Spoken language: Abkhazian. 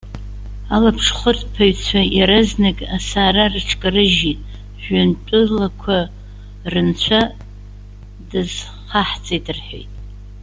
Алаԥшхырԥаҩцәа иаразнак асаара рыҽкарыжьит:- Жәҩантәылақәа рынцәа дазхаҳҵеит!- рҳәеит.